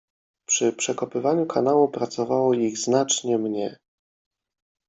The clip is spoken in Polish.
Przy przekopywaniu kanału pracowało ich znacznie mnie.